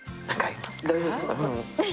大丈夫ですか？